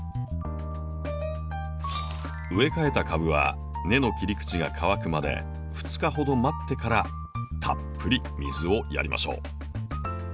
植え替えた株は根の切り口が乾くまで２日ほど待ってからたっぷり水をやりましょう。